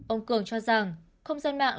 ông cường cho rằng không gian mạng